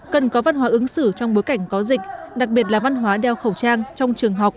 cần có văn hóa ứng xử trong bối cảnh có dịch đặc biệt là văn hóa đeo khẩu trang trong trường học